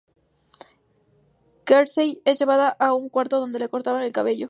Cersei es llevada a un cuarto, donde le cortan el cabello.